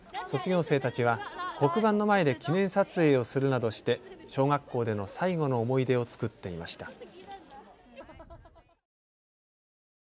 卒業生たちは黒板の前で記念撮影をするなどして小学校での最後の思い出を作っていました。